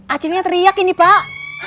acilnya teriak ini pak